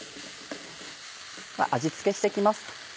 味付けして行きます。